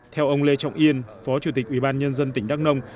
theo ông lê trọng yên phó chủ tịch ủy ban nhân dân tỉnh đắk nông